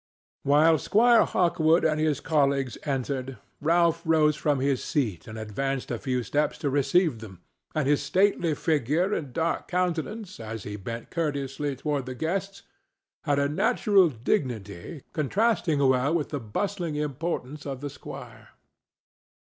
While Squire Hawkwood and his colleagues entered, Ralph rose from his seat and advanced a few steps to receive them, and his stately figure and dark countenance as he bent courteously toward his guests had a natural dignity contrasting well with the bustling importance of the squire.